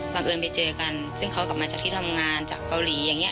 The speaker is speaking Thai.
เอิญไปเจอกันซึ่งเขากลับมาจากที่ทำงานจากเกาหลีอย่างนี้